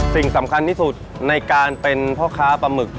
สิ่งสำคัญที่สุดในการเป็นพ่อค้าปลาหมึก